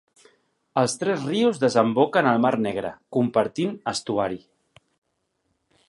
Els tres rius desemboquen al Mar Negre, compartint estuari.